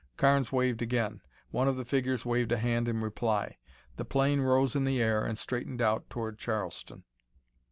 Carnes waved again. One of the figures waved a hand in reply. The plane rose in the air and straightened out toward Charleston.